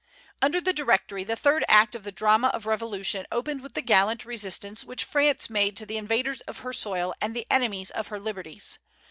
Under the Directory, the third act of the drama of revolution opened with the gallant resistance which France made to the invaders of her soil and the enemies of her liberties.